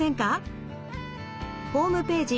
ホームページ